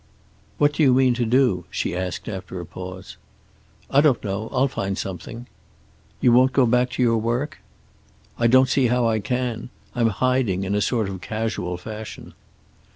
"What do you mean to do?" she asked, after a pause. "I don't know. I'll find something." "You won't go back to your work?" "I don't see how I can. I'm in hiding, in a sort of casual fashion."